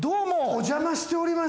お邪魔しております。